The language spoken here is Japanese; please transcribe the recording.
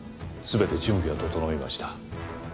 全て準備は整いました。